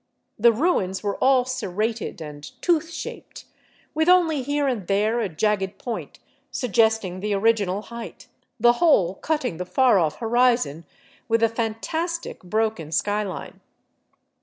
The ruins were all serrated and tooth shaped, with only here and there a jagged point suggesting the original height, the whole cutting the far off horizon with a fantastic, broken sky line.